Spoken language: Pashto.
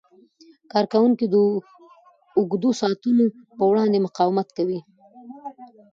کارکوونکي د اوږدو ساعتونو په وړاندې مقاومت کوي.